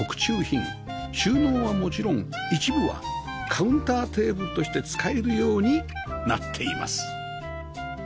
収納はもちろん一部はカウンターテーブルとして使えるようになっています